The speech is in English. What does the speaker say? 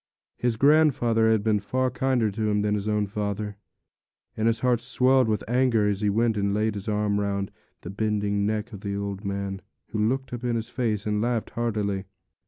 His grandfather had been far kinder to him than his own father; and his heart swelled with anger as he went and laid his arm round the bending neck of the old man, who looked up in his face and laughed heartily.